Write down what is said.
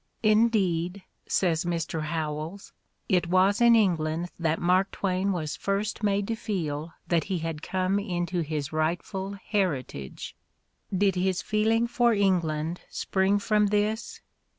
"Indeed," says Mr. Howells, '' it was . in England that Mark Twain was first made to feel that he had come into his rightful heritage." Did his feeling for England spring from this?